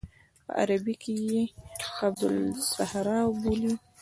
په عربي کې یې قبة الصخره بولي.